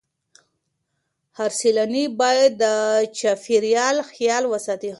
هر سیلانی باید د چاپیریال خیال وساتي.